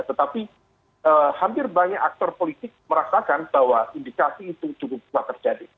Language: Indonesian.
tetapi hampir banyak aktor politik merasakan bahwa indikasi itu cukup kuat terjadi